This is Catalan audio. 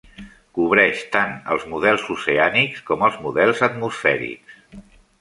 Cobreix tant els models oceànics com els models atmosfèrics.